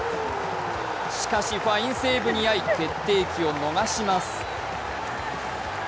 しかし、ファインセーブにあい決定機を逃します。